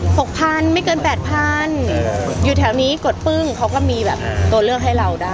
หกพันไม่เกินแปดพันอยู่แถวนี้กดปึ้งเขาก็มีแบบตัวเลือกให้เราได้